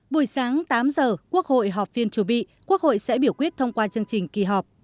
buổi sáng tám giờ quốc hội họp phiên chủ bị quốc hội sẽ biểu quyết thông qua chương trình kỳ họp